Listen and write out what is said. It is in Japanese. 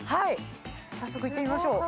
早速行ってみましょう。